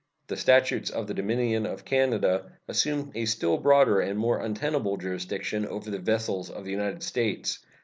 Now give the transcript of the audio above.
The statutes of the Dominion of Canada assume a still broader and more untenable jurisdiction over the vessels of the United States.